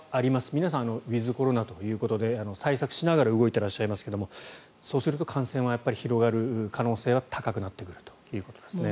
皆さんウィズコロナということで対策しながら動いていらっしゃいますけれどもそうすると感染は広がる可能性は高くなってくるということですね。